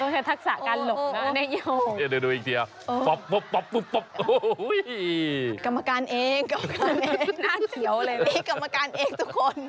หน้าเฉียวเลยนะครับเอกกรรมการเอกทุกคน